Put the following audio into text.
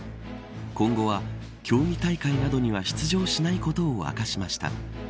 今後は競技大会などには出場しないことを明かしました。